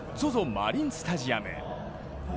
マリンスタジアム。